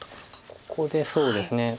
ここでそうですね